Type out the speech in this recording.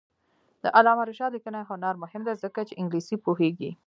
د علامه رشاد لیکنی هنر مهم دی ځکه چې انګلیسي پوهېږي.